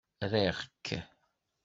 Riɣ-k.